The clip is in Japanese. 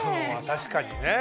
確かにね。